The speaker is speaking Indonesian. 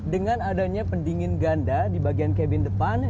dengan adanya pendingin ganda di bagian kabin depan